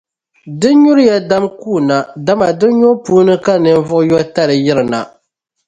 Di nyuriya dam kuuna, dama di nyubu puuni ka ninvuɣuyotali yirina.